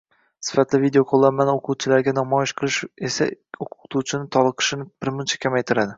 sifatli videoqo‘llanmani o‘quvchilarga namoyish qilish esa o‘qituvchi toliqishini birmuncha kamaytiradi.